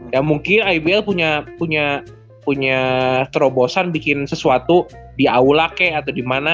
ya mungkin ibl punya terobosan bikin sesuatu di aula ke atau dimana